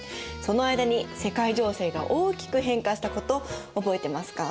その間に世界情勢が大きく変化したこと覚えてますか？